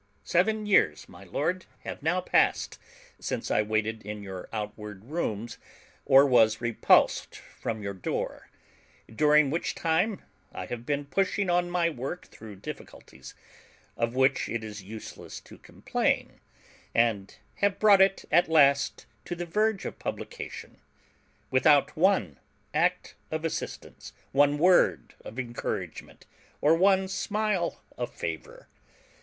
Seven years, my Lord, have now passed, since I waited in your outward rooms, or was repulsed from your door; during which time I have been pushing on my work through difficulties, of which it is useless to complain, and have brought it at last to the verge of publication, without one act of assistance, one word of encouragement, or one smile of favor.